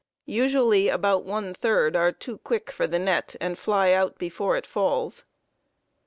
Usually about one third are too quick for the net and fly out before it falls.